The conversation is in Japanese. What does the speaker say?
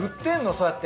そうやって。